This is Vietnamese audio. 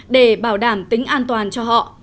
để bảo đảm tính an toàn cho họ